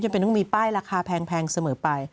เป็นต้องมีป้ายราคาแพงเสมอไป